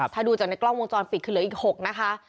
ถ้าดูจากในกล้องวงจรปิดคือเหลืออีก๖นะคะ